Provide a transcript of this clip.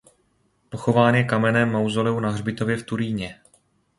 Pochován je kamenném mauzoleu na hřbitově v Turíně.